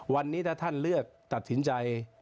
วันนี้นำเลือกตัดสินใจ